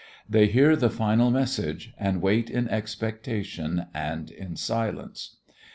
They hear the final message and wait in expectation and in silence.